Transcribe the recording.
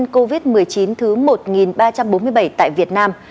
covid một mươi chín thứ một ba trăm bốn mươi bảy tại việt nam